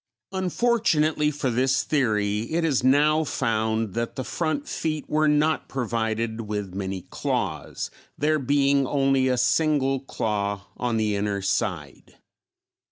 Unfortunately for this theory, it is now found that the front feet were not provided with many claws, there being only a single claw on the inner side.